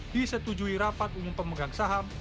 disetujui rapat umum pemegang saham